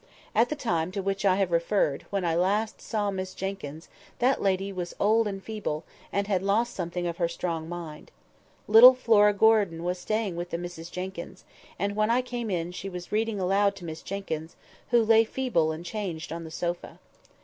At the time to which I have referred, when I last saw Miss Jenkyns, that lady was old and feeble, and had lost something of her strong mind. Little Flora Gordon was staying with the Misses Jenkyns, and when I came in she was reading aloud to Miss Jenkyns, who lay feeble and changed on the sofa.